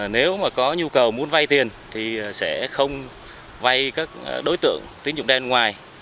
nếu mà có nhu cầu muốn vay tiền thì sẽ không vay các đối tượng tín dụng đen ngoài